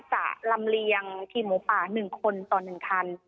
ลำเลียงทีมหมูป่า๑คนต่อ๑คัน